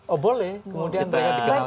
oh boleh kemudian mereka dikenalkan